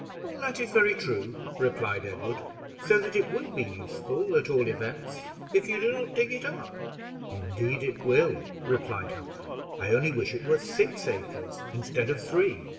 "All that is very true," replied Edward; "so that it will be useful at all events, if you do not dig it up." "Indeed it will," replied Humphrey; "I only wish it were six acres instead of three."